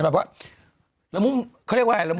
เขาเรียกว่าอะไร